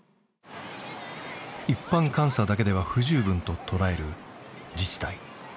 一般監査だけでは不十分と捉える自治体。